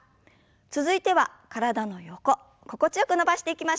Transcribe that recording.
続いては体の横心地よく伸ばしていきましょう。